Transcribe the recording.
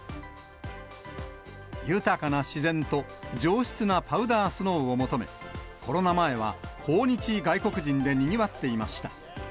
豊かな自然と上質なパウダースノーを求め、コロナ前は訪日外国人でにぎわっていました。